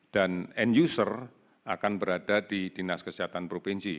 dan end user akan berada di dinas kesehatan provinsi